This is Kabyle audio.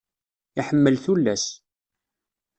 Iḥemmel tullas.